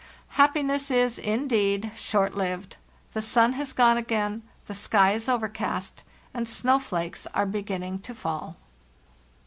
"Happiness is, indeed, short lived. The sun has gone again, the sky is overcast, and snowflakes are be ginning to fall.